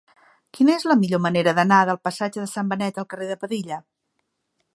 Quina és la millor manera d'anar del passatge de Sant Benet al carrer de Padilla?